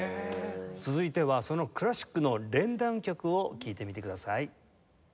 続いてはそのクラシックの連弾曲を聴いてみてください。